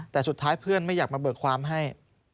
แต่สุดท้ายเพื่อนไม่อยากมาเบิกความให้